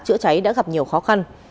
chữa cháy đã gặp nhiều khó khăn